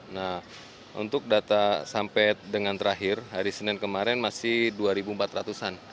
nah untuk data sampai dengan terakhir hari senin kemarin masih dua empat ratus an